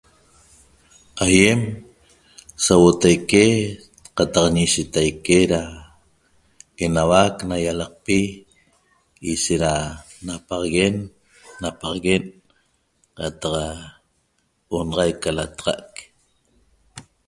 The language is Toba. Ayem so huotaque cataq inshetaque da enahuaq na yalaqpi ishet da napaxaguen napaxaguen cataq onaxaiq ca lataxaq